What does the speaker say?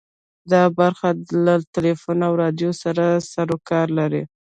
دا برخه له ټلیفون او راډیو سره سروکار لري.